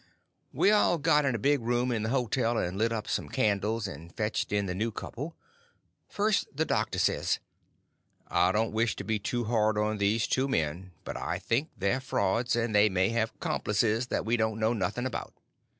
We all got in a big room in the hotel, and lit up some candles, and fetched in the new couple. First, the doctor says: "I don't wish to be too hard on these two men, but I think they're frauds, and they may have complices that we don't know nothing about.